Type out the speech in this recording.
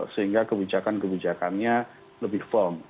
sehingga kebijakan kebijakannya lebih firm